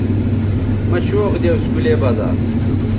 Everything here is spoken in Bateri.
مہ شوق دے اسکولے بزا